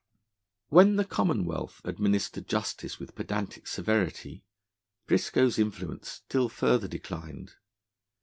When the Commonwealth administered justice with pedantic severity, Briscoe's influence still further declined.